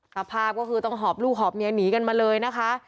สภาพก็คือต้องหอบลูกหอบเมียหนีกันมาเลยนะคะ